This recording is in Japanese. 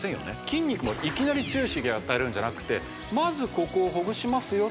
筋肉もいきなり強い刺激を与えるんじゃなくてまずここをほぐしますよ